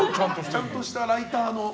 ちゃんとしたライターの。